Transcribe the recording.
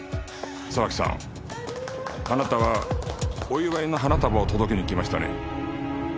沢木さんあなたはお祝いの花束を届けに来ましたね。